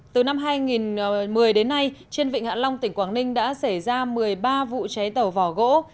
từ năm hai nghìn một mươi đến nay trên vịnh hạ long tỉnh quảng ninh đã xảy ra một mươi ba vụ cháy tàu vỏ gỗ